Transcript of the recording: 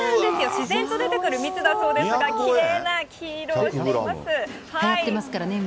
自然と出てくる蜜だそうですが、きれいな黄色をしています。